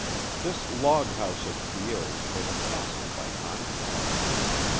This log house of Pierre's was a castle by contrast.